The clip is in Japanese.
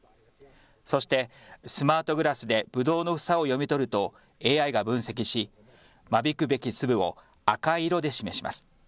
そしてスマートグラスでぶどうの房を読み取るとＡＩが分析し、間引くべき粒を赤い色で示します。